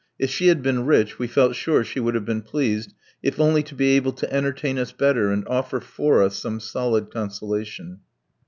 If she had been rich we felt sure she would have been pleased, if only to be able to entertain us better and offer for us some solid consolation.